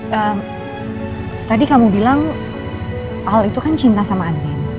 ya tadi kamu bilang al itu kan cinta sama agen